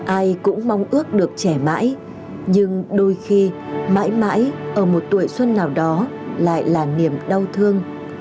ai cũng mong ước được trẻ mãi nhưng đôi khi mãi mãi ở một tuổi xuân nào đó lại là niềm đau thương